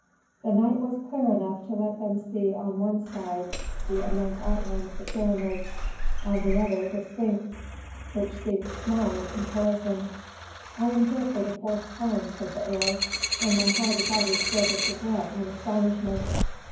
The night was clear enough to let them see on one side the immense outline of the pyramids, on the other, the Sphinx, which seemed small in comparison. "I am here for the fourth time," said the heir, "and my heart is always filled with regret and astonishment.